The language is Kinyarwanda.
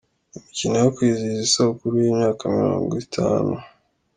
Imikino yo kwizihiza isabukuru y’imyaka mirongo itanu